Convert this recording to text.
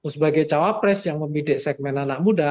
sebagai cawapres yang membidik segmen anak muda